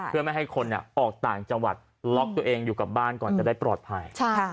เพื่อไม่ให้คนออกต่างจังหวัดล็อกตัวเองอยู่กับบ้านก่อนจะได้ปลอดภัย